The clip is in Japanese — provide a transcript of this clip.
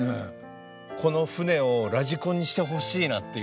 この船をラジコンにしてほしいなっていう。